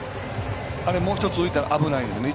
もう１つ浮いたら危ないんですね。